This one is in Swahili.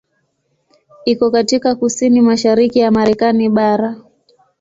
Iko katika kusini mashariki ya Marekani bara.